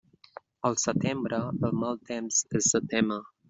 Al setembre, el mal temps és de témer.